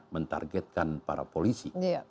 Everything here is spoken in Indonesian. mentargetkan para polisi